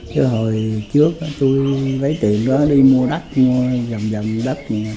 chứ hồi trước tôi lấy tiền đó đi mua đất mua dầm dầm đất